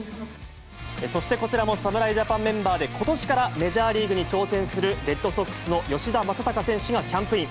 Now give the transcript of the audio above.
そしてこちらも、侍ジャパンメンバーで、ことしからメジャーリーグに挑戦するレッドソックスの吉田正尚選手がキャンプイン。